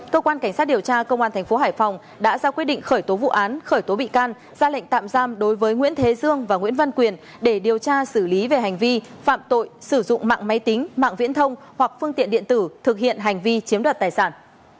cơ quan cảnh sát điều tra công an tp hải phòng đã ra quyết định khởi tố vụ án khởi tố bị can ra lệnh tạm giam đối với nguyễn thế dương và nguyễn văn quyền để điều tra xử lý về hành vi phạm tội sử dụng mạng máy tính mạng viễn thông hoặc phương tiện điện tử thực hiện hành vi chiếm đoạt tài sản